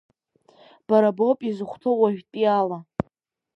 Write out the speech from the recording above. Бара боуп изыхәҭоу уажәтәи ала.